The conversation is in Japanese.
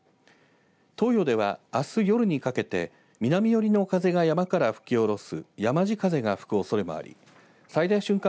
東予ではあす夜にかけて南寄りの風が山から吹き降ろすやまじ風が吹くおそれがあり最大瞬間